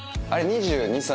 ２２歳？